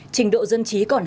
trình độ dân trí còn hơn